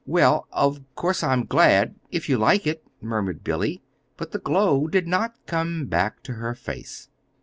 "Well, of course I'm glad if you like it," murmured Billy; but the glow did not come back to her face.